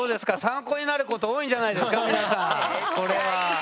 参考になること多いんじゃないですか皆さん。